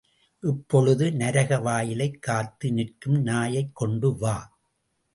இப்பொழுது, நரக வாயிலைக் காத்து நிற்கும் நாயைக் கொண்டு வா!